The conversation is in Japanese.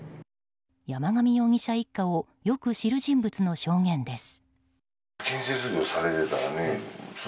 山上容疑者一家をよく知る人物の証言です。